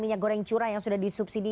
minyak goreng curah yang sudah disubsidi